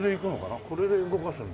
これで動かすんだよな。